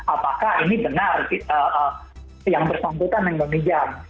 apakah ini benar yang bersangkutan yang meminjam